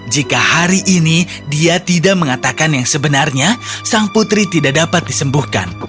jika hari ini dia tidak mengatakan yang sebenarnya sang putri tidak dapat disembuhkan